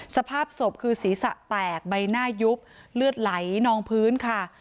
สภาพศพคือศีรษะแตกใบหน้ายุบเลือดไหลนองพื้นค่ะ